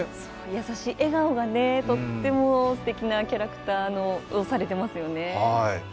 優しい笑顔がとってもすてきなキャラクターされてますよね。